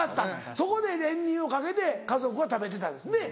そこで練乳をかけて家族は食べてたんですねっ。